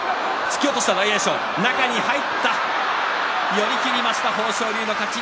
寄り切りました豊昇龍の勝ち。